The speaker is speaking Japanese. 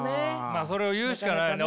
まあそれを言うしかないよね。